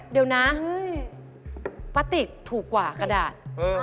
เดี๋ยวนะป้าติกถูกกว่ากระดาษ